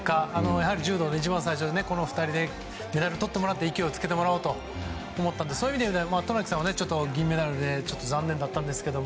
やはり柔道で一番最初にこの２人でメダルとってもらって勢いつけてもらおうと思ったのでそういう意味では渡名喜さんは銀メダルで残念だったんですが。